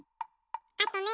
あとね